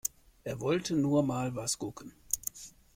Er wollte nur mal was gucken.